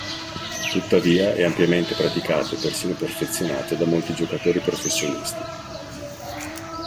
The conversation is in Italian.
Tuttavia, è ampiamente praticato e persino perfezionato da molti giocatori professionisti.